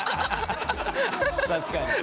確かに。